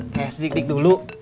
kayak sedik dik dulu